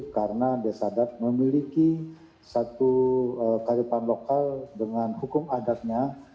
karena desa adat memiliki satu karipan lokal dengan hukum adatnya